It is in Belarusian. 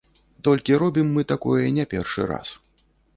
Толькі робім мы такое не першы раз.